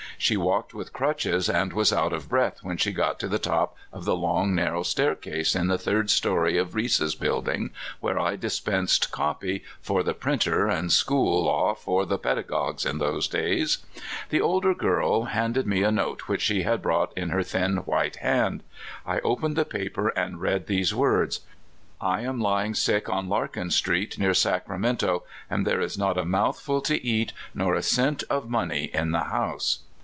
She walked with crutches, and was out of breath when she got to the top of the long, narrow staircase in the third story of Keese'3 building, where I dispensed "copy" for the printer and school law for the pedagogues in those daya Caljfornia 7 raits. 175 The older girl handed me a note which she had brought in her thin, ^vhite hand. I opened the paper, and read these words — "I am lying sick on Larkin street, near Sacra mento, and there is not a mouthful to eat or cent of money in the house."